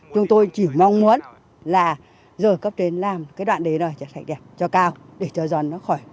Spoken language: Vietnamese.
chúng tôi chỉ mong muốn là giờ cấp trên làm cái đoạn đề này cho thật đẹp cho cao để cho dòn nó khỏi